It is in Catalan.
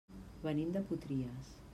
Venim de Potries.